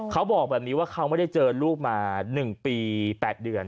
เขาบอกแบบนี้ว่าเขาไม่ได้เจอลูกมา๑ปี๘เดือน